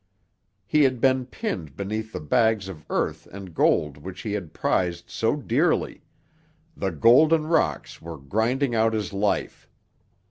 He had been pinned beneath the bags of earth and gold which he had prized so dearly; the golden rocks were grinding out his life.